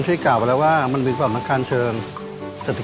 ไปดูกันค่ะว่าหน้าตาของเจ้าปาการังอ่อนนั้นจะเป็นแบบไหน